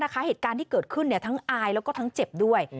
เหตุการณ์ที่เกิดขึ้นทั้งอายแล้วก็ทั้งเจ็บด้วย